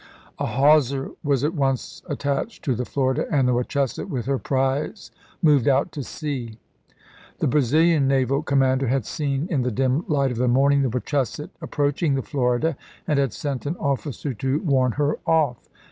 A hawser was at once attached to the Florida, and the Wachusett, with her prize, moved out to sea. The Brazilian naval commander had seen, in the dim light of the morning, the Wachusett ap proaching the Florida, and had sent an officer to warn her off.